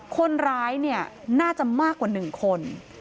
คนร้ายเนี่ยน่าจะมากกว่า๑คน